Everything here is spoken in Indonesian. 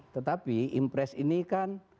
tetapi impres ini kan